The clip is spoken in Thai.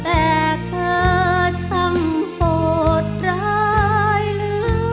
แต่เธอช่างโหดร้ายลื้อเกิน